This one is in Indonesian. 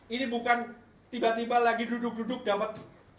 ini bukan tiba tiba lagi duduk duduk dapat